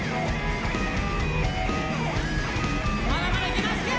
まだまだいきますよ！